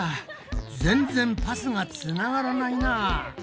全然パスがつながらないなぁ。